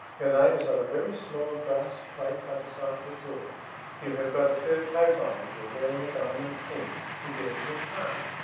Your name is on a very small brass plate by the side of the door. You have got a fur coat on, and you are wearing a diamond pin. You get into a car.